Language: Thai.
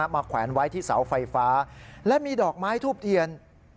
แขวนไว้ที่เสาไฟฟ้าและมีดอกไม้ทูบเทียน